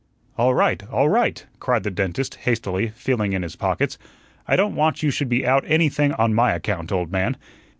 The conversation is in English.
"All right, all right," cried the dentist, hastily, feeling in his pockets. "I don't want you should be out anything on my account, old man.